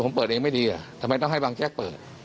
ผมเปิดเองไม่ดีอ่ะทำไมต้องให้บางแจ๊กเปิด